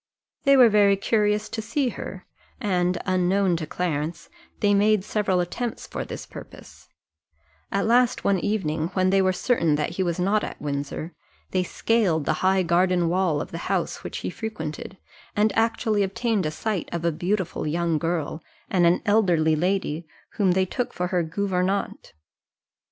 They were very curious to see her: and, unknown to Clarence, they made several attempts for this purpose: at last one evening, when they were certain that he was not at Windsor, they scaled the high garden wall of the house which he frequented, and actually obtained a sight of a beautiful young girl and an elderly lady, whom they took for her gouvernante.